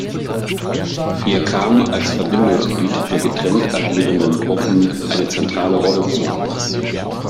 Ihr kam als Verbindungsglied der getrennt agierenden Gruppen eine zentrale Rolle zu.